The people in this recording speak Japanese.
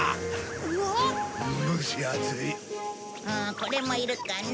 これもいるかな。